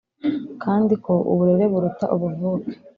kandi ko uburereburuta ubuvuke.